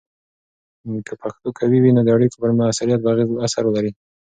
که پښتو قوي وي، نو د اړیکو پر مؤثریت به اثر وکړي.